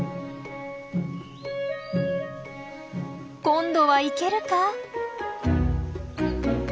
今度は行けるか？